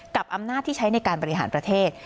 กับอำนาจที่ใช้ในการบริหารประเทศ